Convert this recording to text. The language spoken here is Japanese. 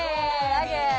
アゲ。